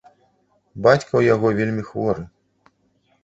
Бацька ў яго вельмі хворы.